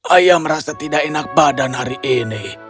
ayah merasa tidak enak badan hari ini